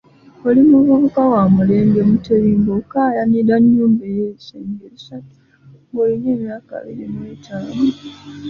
Oli muvubuka wa mulembe Mutebi ng'okaayanira nnyumba ey'ebisenge ebisatu ng'olina emyaka abiri mw'etaano.